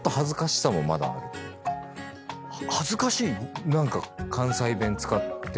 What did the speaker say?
恥ずかしいの？